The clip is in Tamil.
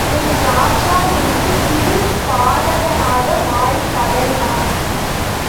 என் ராஜா! என்று சிறு பாலகனாக மாறிக் கதறினார்.